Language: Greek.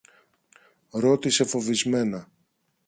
ρώτησε φοβισμένα.